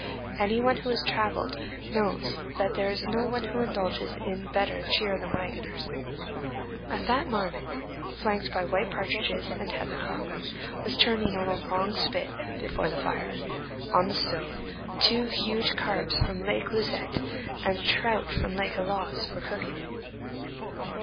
Any one who has travelled knows that there is no one who indulges in better cheer than wagoners. A fat marmot, flanked by white partridges and heather cocks, was turning on a long spit before the fire; on the stove, two huge carps from Lake Lauzet and a trout from Lake Alloz were cooking.